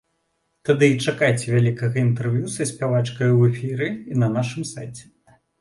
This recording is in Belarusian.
Тады і чакайце вялікага інтэрв'ю са спявачкай у эфіры і на нашым сайце.